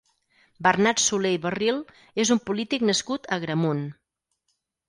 Bernat Solé i Barril és un polític nascut a Agramunt.